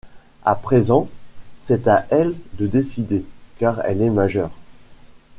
À présent, c'est à elle de décider, car elle est majeure.